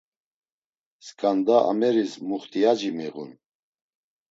Skanda ameris muxtiyaci miğun.